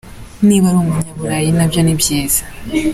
Niba ari umunyaburayi, nabyo ni byiza".